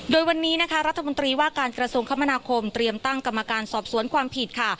โดยวันนี้นะคะรัฐมนตรีว่าการกระทรวงคมนาคมเตรียมตั้งกรรมการสอบสวนความผิดค่ะ